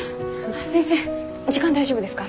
先生時間大丈夫ですか？